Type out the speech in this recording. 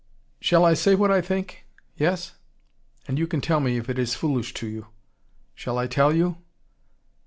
"Shall I say what I think? Yes? And you can tell me if it is foolish to you. Shall I tell you?